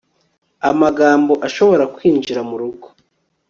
amagambo ashobora kwinjira mu rugo